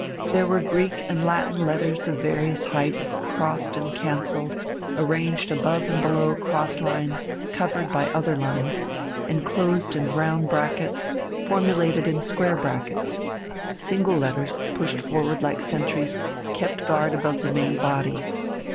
There were Greek and Latin letters of various heights, crossed and cancelled, arranged above and below cross lines, covered by other lines, enclosed in round brackets, formulated in square brackets. Single letters, pushed forward like sentries, kept guard above the main bodies.